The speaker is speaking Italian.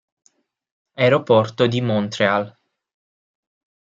Aeroporto di Montréal